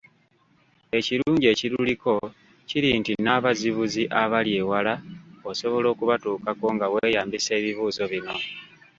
Ekirungi ekiruliko kiri nti n’abazibuzi abali ewala osobola okubatuukako nga weeyambisa ebibuuzo bino.